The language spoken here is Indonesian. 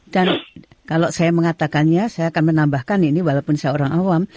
dan kalau saya mengatakannya saya akan menambahkan ini walaupun saya orang awam